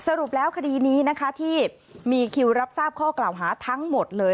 สรุปแล้วคดีนี้นะคะที่มีคิวรับทราบข้อกล่าวหาทั้งหมดเลย